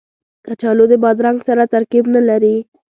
کچالو د بادرنګ سره ترکیب نه لري